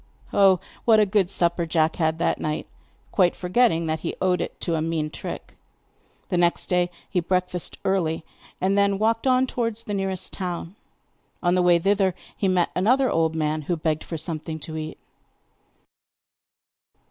Oh, what a good supper Jack had that night, quite forgetting that he owed it to a mean trick. The next day he breakfasted early, and then walked on towards the nearest town. On the way thither he met another old man, who begged for something to eat.